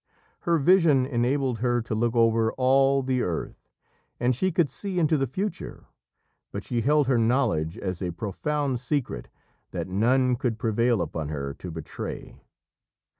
Her vision enabled her to look over all the earth, and she could see into the Future, but she held her knowledge as a profound secret that none could prevail upon her to betray.